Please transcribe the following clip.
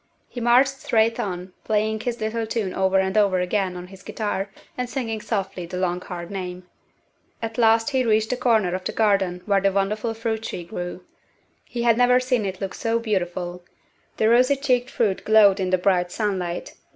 He marched straight on, playing his little tune over and over again on his guitar and singing softly the long hard name. At last he reached the corner of the garden where the wonderful fruit tree grew. He had never seen it look so beautiful. The rosy cheeked fruit glowed in the bright sunlight.